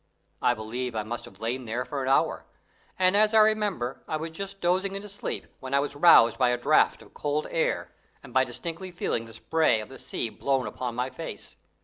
I believe I must have lain there for an hour, and, as I remember, I was just dozing into sleep when I was roused by a draught of cold air, and by distinctly feeling the spray of the sea blown upon my face.